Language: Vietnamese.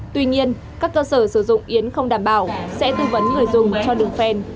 tuy nhiên các cơ sở sử dụng yến không đảm bảo sẽ tư vấn người dùng cho đường phèn